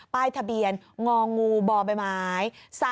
ป้ายทะเบียนงองงูบอบไม้ไม้๓๙๐๕